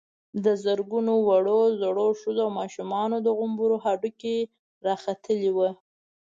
د زرګونو وړو_ زړو، ښځو او ماشومانو د غومبرو هډوکي را ختلي ول.